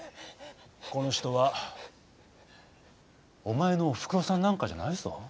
この人はお前のおふくろさんなんかじゃないぞ。